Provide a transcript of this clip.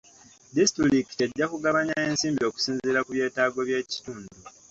Disitulikiti ejja kugabanya ensimbi okusinziira ku byetaago by'ekitundu.